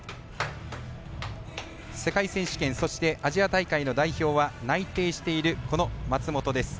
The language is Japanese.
世界選手権そして、アジア大会の代表は内定している、この松元です。